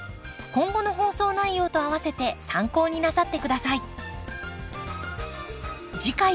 今後の放送内容とあわせて参考になさって下さい。